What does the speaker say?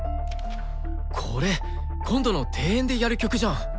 これ今度の定演でやる曲じゃん！